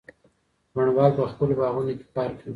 بڼوال په خپلو باغونو کي کار کوي.